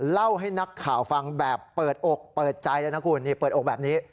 เล่าให้นักข่าวฟังแบบเปิดอกเปิดใจเลยนะคุณนี่เปิดอกแบบนี้